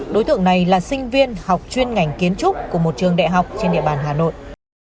đối tượng này là sinh viên học chuyên ngành kiến trúc của một trường đại học trên địa bàn hà nội